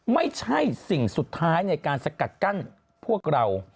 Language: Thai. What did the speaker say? ไม่ใช่สิ่งสุดท้ายในการสกัดกั้นพวกเรา